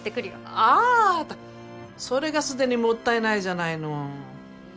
あーたそれがすでにもったいないじゃないの。